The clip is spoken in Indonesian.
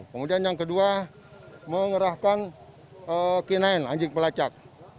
kemudian yang kedua mengerahkan kinain anjing pelacak